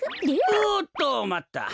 おっとまった！